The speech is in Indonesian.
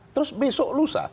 terus besok lusa